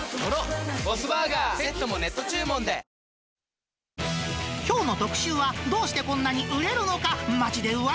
わぁきょうの特集は、どうしてこんなに売れるのか！